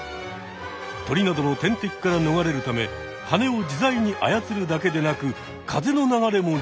鳥などの天敵からのがれるためはねを自在にあやつるだけでなく風の流れも利用。